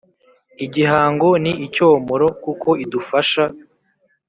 igihango Ni Icyomoro kuko idufasha